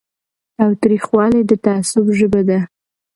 تاوتریخوالی د تعصب ژبه ده